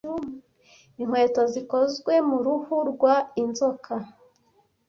Inkweto zikozwe mu ruhu rwa inzoka.